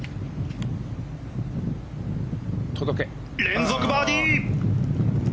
連続バーディー！